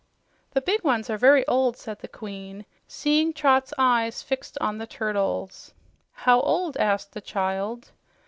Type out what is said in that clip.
"The big ones are very old," said the Queen, seeing Trot's eyes fixed on the turtles. "How old?" asked the child.